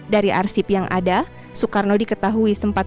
dari arsip yang ada soekarno diketahui sempat